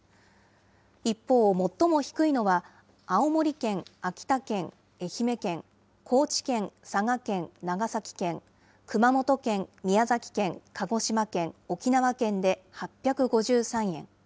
一方、最も低いのは青森県、秋田県、愛媛県、高知県、佐賀県、長崎県、熊本県、宮崎県、鹿児島県、沖縄県で８５３円。